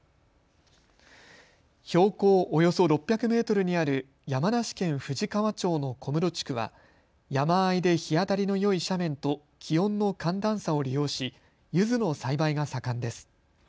標高およそ６００メートルにある山梨県富士川町の小室地区は山あいで日当たりのよい斜面と気温の寒暖差を利用しゆずの栽培が盛んです。